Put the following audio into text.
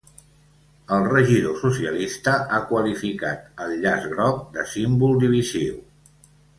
El regidor socialista ha qualificat el llaç groc de ‘símbol divisiu’.